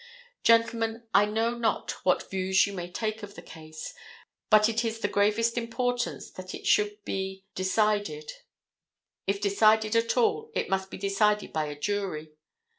Gentlemen, I know not what views you may take of the case, but it is the gravest importance that it should be decided. If decided at all, it must be decided by a jury.